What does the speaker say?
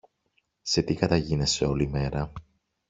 Σε τι καταγίνεσαι όλη μέρα;